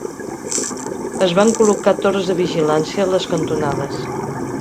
Es van col·locar torres de vigilància a les cantonades.